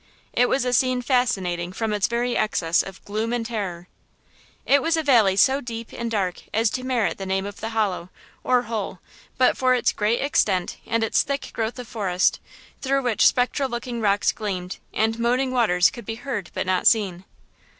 It was a scene fascinating from its very excess of gloom and terror! It was a valley so deep and dark as to merit the name of the hollow, or hole, but for its great extent and its thick growth of forest, through which spectral looking rocks gleamed, and moaning waters could be heard but not seen.